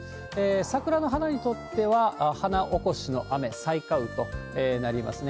桜の花にとっては、花起こしの雨、催花雨となりますね。